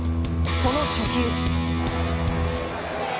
その初球。